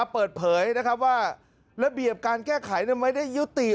เปิดเผยว่าระเบียบการแก้ไขไม่ได้ยุติ